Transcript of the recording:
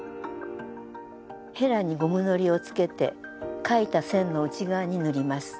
へらにゴムのりをつけて書いた線の内側に塗ります。